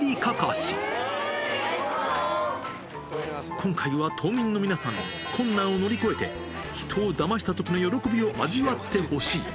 今回は島民の皆さんに、困難を乗り越えて、人をダマしたときの喜びを味わってほしい。